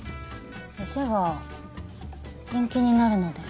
店が陰気になるので。